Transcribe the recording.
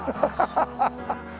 ハハハハハ！